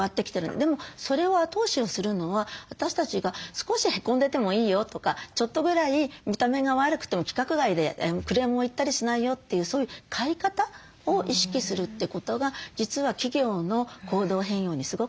でもそれを後押しをするのは私たちが少しへこんでてもいいよとかちょっとぐらい見た目が悪くても規格外でクレームを言ったりしないよというそういう買い方を意識するってことが実は企業の行動変容にすごくつながっていってる。